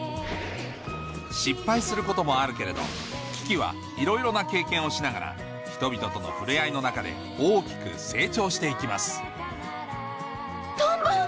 失敗することもあるけれどキキはいろいろな経験をしながら人々との触れ合いの中で大きく成長して行きますトンボ⁉